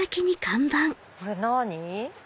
これ何？